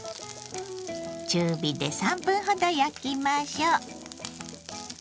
中火で３分ほど焼きましょう。